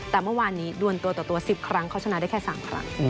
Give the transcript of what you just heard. แต่เมื่อวานนี้ดวนตัวต่อตัว๑๐ครั้งเขาชนะได้แค่๓ครั้ง